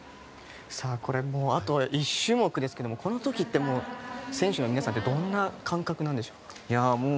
これあとは１種目ですがこの時ってもう選手の皆さんってどんな感覚なんでしょうか。